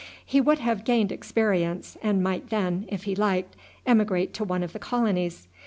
He would have gained experience, and might then, if he liked, emigrate to one of the colonies.